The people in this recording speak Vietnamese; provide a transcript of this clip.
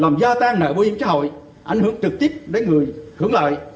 làm gia tăng nợ bảo hiểm xã hội ảnh hưởng trực tiếp đến người hưởng lợi